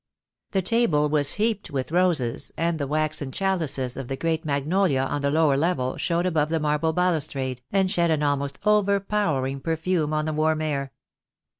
The table was heaped with roses, and the waxen chalices of a great magnolia on the lower level showed above the marble balustrade, and shed an almost overpowering perfume on the warm air.